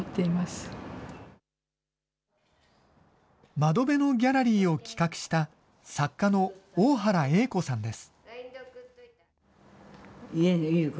窓辺のギャラリーを企画した、作家の大原瑩子さんです。